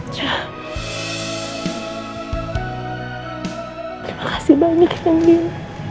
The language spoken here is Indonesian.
terima kasih banyak emilia